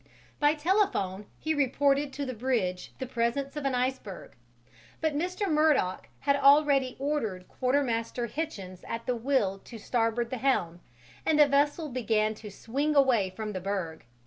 By telephone he reported to the bridge the presence of an iceberg, but Mr. Murdock had already ordered Quartermaster Hichens at the wheel to starboard the helm, and the vessel began to swing away from the berg.